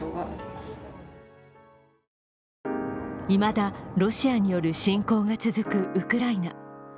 いまだロシアによる侵攻が続くウクライナ。